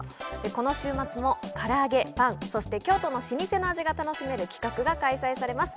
この週末もからあげ、パン、そして京都の老舗の味が楽しめる企画が開催されます。